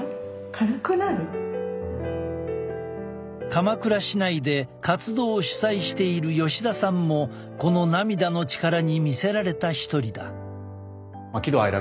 鎌倉市内で活動を主催している吉田さんもこの涙の力に魅せられた一人だ。